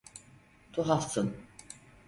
Tuhafsın.